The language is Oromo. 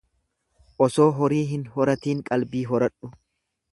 Osoo horii hin horatiin qalbii horadhu.